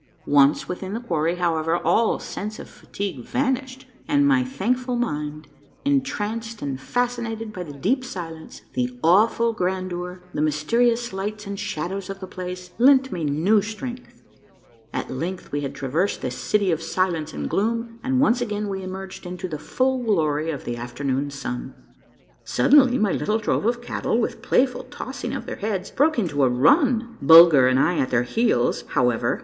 Once within the quarry, however, all sense of fatigue vanished, and my thankful mind, entranced and fascinated by the deep silence, the awful grandeur, the mysterious lights and shadows of the place, lent me new strength. At length we had traversed 30 A MARVELLOUS UNDERGROUND JOURNEY this city of silence and gloom, and once again we emerged into the full glory of the afternoon sun. Suddenly my little drove of cattle, with playful tossing of their heads, broke into a run, Bulger and I at their heels, hov^ ever.